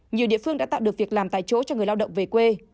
nhiều địa phương đã tạo được việc làm tại chỗ cho người lao động về quê